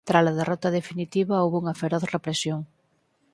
Trala derrota definitiva houbo unha feroz represión.